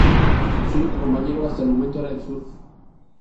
Su único compañero hasta el momento era el surf.